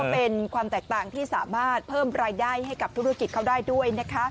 เป็นความแตกต่างที่สามารถเพิ่มรายได้ให้กับธุรกิจเขาได้ด้วยนะคะ